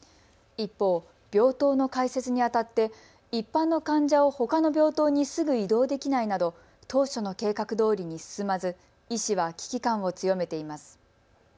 一方、病棟の開設にあたって一般の患者をほかの病棟にすぐ移動できないなど当初の計画どおりに進まず医師は危機感を強めています。